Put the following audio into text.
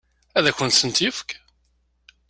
Ad akent-tent-yefk?